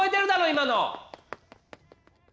今の！